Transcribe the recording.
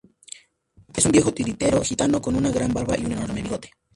Es un viejo titiritero gitano con una gran barba y un enorme bigote.